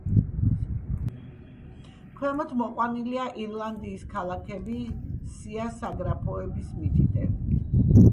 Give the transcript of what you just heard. ქვემოთ მოყვანილია ირლანდიის ქალაქები სია საგრაფოების მითითებით.